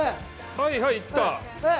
はいはい来た！